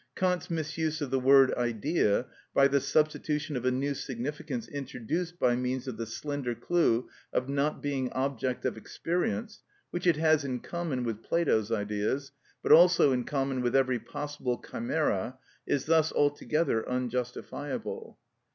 Kant's misuse of the word idea, by the substitution of a new significance introduced by means of the slender clue of not being object of experience, which it has in common with Plato's ideas, but also in common with every possible chimera, is thus altogether unjustifiable.